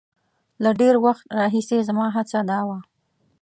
له ډېر وخت راهیسې زما هڅه دا وه.